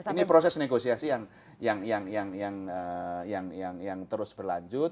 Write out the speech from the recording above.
ini proses negosiasi yang terus berlanjut